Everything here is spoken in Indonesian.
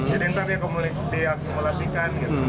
jadi nanti diakumulasikan gitu